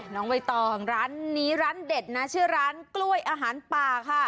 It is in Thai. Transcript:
น้องใบตองร้านนี้ร้านเด็ดนะชื่อร้านกล้วยอาหารป่าค่ะ